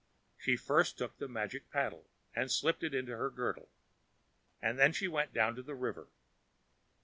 She first took the magic paddle and slipped it under her girdle, and then she went down to the river.